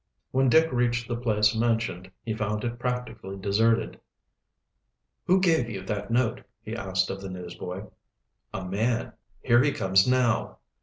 When Dick reached the place mentioned he found it practically deserted. "Who gave you that note?" he asked of the newsboy. "A man. Here he comes, now."